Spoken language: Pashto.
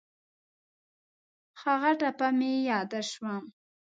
هغه ټپه مې یاد شوه.